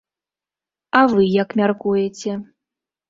А вы як мяркуеце?